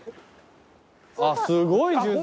あっすごい数珠。